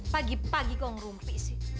pagi pagi kok ngerumpi sih